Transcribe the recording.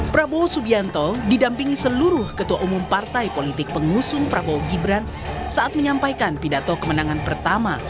prabowo subianto didampingi seluruh ketua umum partai politik pengusung prabowo gibran saat menyampaikan pidato kemenangan pertama